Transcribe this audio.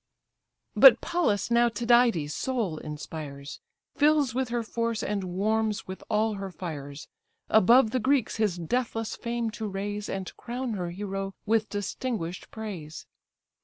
But Pallas now Tydides' soul inspires, Fills with her force, and warms with all her fires, Above the Greeks his deathless fame to raise, And crown her hero with distinguish'd praise.